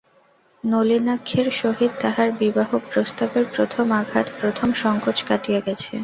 নলিনাক্ষের সহিত তাহার বিবাহ-প্রস্তাবের প্রথম আঘাত, প্রথম সংকোচ কাটিয়া গেছে।